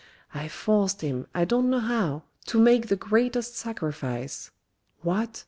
" I forced him, I don't know how, to make the greatest sacrifice. What ?